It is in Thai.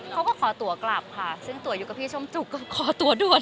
เขาก็ขอตัวกลับค่ะซึ่งตัวอยู่กับพี่ส้มจุกก็ขอตัวด่วน